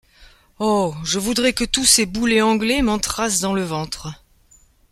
Oh ! je voudrais que tous ces boulets anglais m’entrassent dans le ventre !